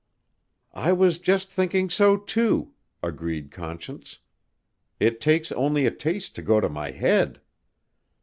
"I was just thinking so, too," agreed Conscience. "It takes only a taste to go to my head."